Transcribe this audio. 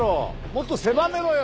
もっと狭めろよ！